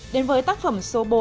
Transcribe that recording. đến với tác phẩm số bốn